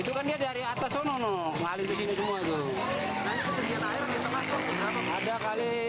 tapi kalau mobil enggak